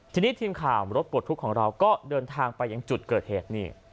ทีนี้ทีมข่าวรถปลดทุกข์ของเราก็เดินทางไปยังจุดเกิดเหตุนี่